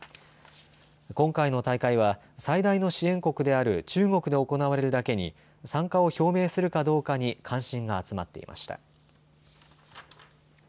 今回の大会は最大の支援国である中国で行われるだけに参加を表明するかどうかに関心が集まっていました。